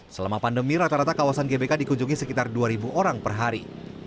selama pandemi rata rata kawasan gbk dikunjungi sekitar dua orang per hari